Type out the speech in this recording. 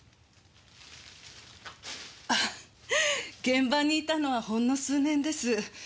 あ現場にいたのはほんの数年です。